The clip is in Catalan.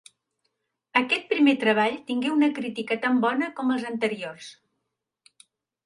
Aquest primer treball tingué una crítica tan bona com els anteriors.